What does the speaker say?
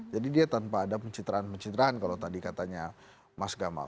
jadi dia tanpa ada pencitraan pencitraan kalau tadi katanya mas gamal